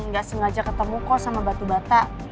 nggak sengaja ketemu kok sama batu bata